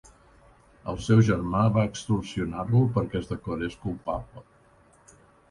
El seu germà va extorsionar-lo perquè es declarés culpable.